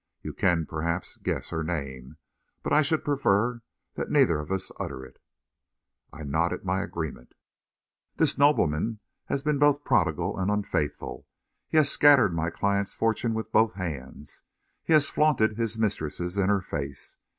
You can, perhaps, guess her name, but I should prefer that neither of us utter it." I nodded my agreement. "This nobleman has been both prodigal and unfaithful. He has scattered my client's fortune with both hands. He has flaunted his mistresses in her face.